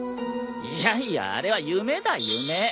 いやいやあれは夢だ夢。